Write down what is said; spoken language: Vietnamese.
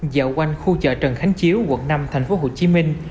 dạo quanh khu chợ trần khánh chiếu quận năm thành phố hồ chí minh